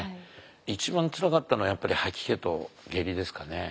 一番つらかったのはやっぱり吐き気と下痢ですかね。